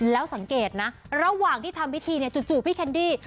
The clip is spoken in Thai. แล้วสังเกตนะระหว่างที่ทำพิธีเนี่ยจู่พี่แคนดี้